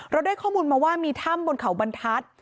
ได้ข้อมูลมาว่ามีถ้ำบนเขาบรรทัศน์